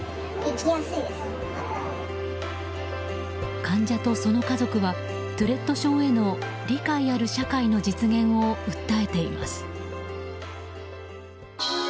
患者とその家族はトゥレット症への理解ある社会の実現を訴えています。